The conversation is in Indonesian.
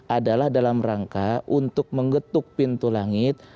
adalah dalam rangka untuk menggetuk pintu langit